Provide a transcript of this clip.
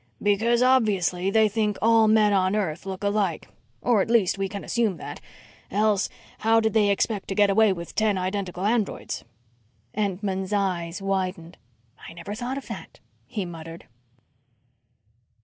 "Because, obviously, they think all men on earth look alike. Or, at least, we can assume that. Else how did they expect to get away with ten identical androids?" Entman's eyes widened. "I never thought of that," he muttered.